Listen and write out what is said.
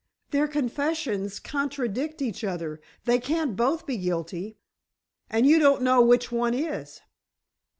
"Their confessions contradict each other. They can't both be guilty." "And you don't know which one is?"